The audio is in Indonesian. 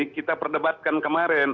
kita perdebatkan kemarin